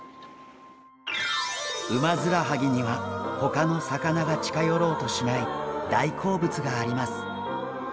ウマヅラハギには他の魚が近寄ろうとしない大好物があります。